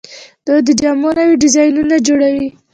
دوی د جامو نوي ډیزاینونه جوړوي.